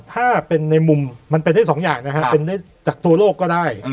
ถ้าเป็นในมุมมันเป็นทุกอย่างจากตัวโรคก็ได้